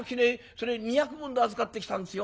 それ二百文で預かってきたんですよ。